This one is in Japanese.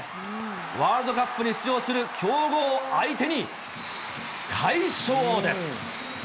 ワールドカップに出場する強豪相手に、快勝です。